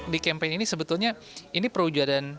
di kampen ini sebetulnya ini perwujudan